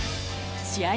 試合